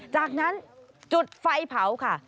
จากนั้นจุดไฟเผาค่ะ